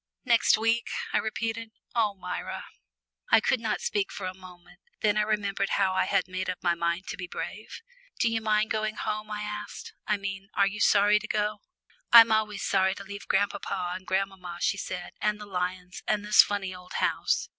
"Next week," I repeated. "Oh, Myra!" I could not speak for a moment. Then I remembered how I had made up my mind to be brave. "Do you mind going home?" I asked. "I mean, are you sorry to go?" "I'm always sorry to leave grandpapa and grandmamma," she said, "and the lions, and this funny old house.